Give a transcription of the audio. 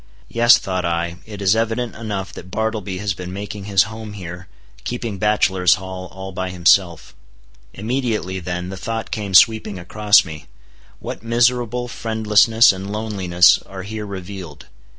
Yes, thought I, it is evident enough that Bartleby has been making his home here, keeping bachelor's hall all by himself. Immediately then the thought came sweeping across me, What miserable friendlessness and loneliness are here revealed!